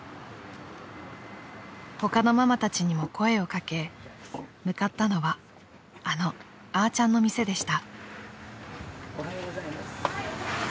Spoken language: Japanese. ［他のママたちにも声を掛け向かったのはあのあーちゃんの店でした］